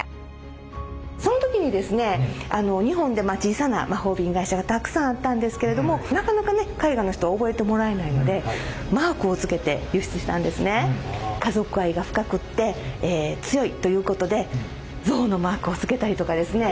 その時に日本で小さな魔法瓶会社がたくさんあったんですけれどもなかなかね海外の人に覚えてもらえないので家族愛が深くて強いということで象のマークをつけたりとかですね。